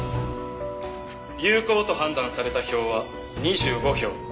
有効と判断された票は２５票。